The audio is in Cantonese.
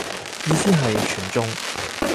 意思係全中